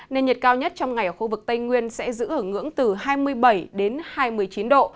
nên nhiệt cao nhất trong ngày ở khu vực tây nguyên sẽ giữ ở ngưỡng từ hai mươi bảy đến hai mươi chín độ